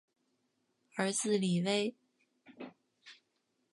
儿子李威。